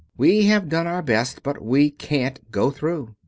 We have done our best but we can't go through.